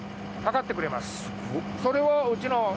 それをうちの。え！